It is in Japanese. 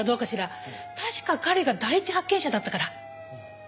確か彼が第一発見者だったから。